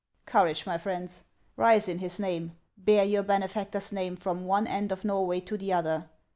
" Courage, my friends ! Rise in his name ; bear your benefactor's name from one end of Xorway to the other.